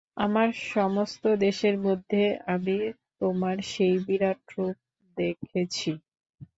আমার সমস্ত দেশের মধ্যে আমি তোমার সেই বিরাট রূপ দেখেছি।